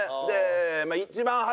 でまあ一番